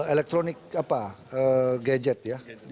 elektronik apa gadget ya